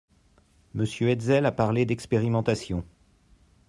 Monsieur Hetzel a parlé d’expérimentation.